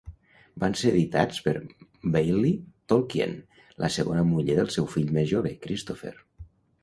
Van ser editats per Baillie Tolkien, la segona muller del seu fill més jove, Christopher.